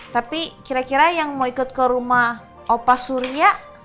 tapi kira kira yang mau ikut ke rumah opa surya